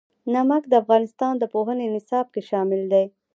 نمک د افغانستان د پوهنې نصاب کې شامل دي.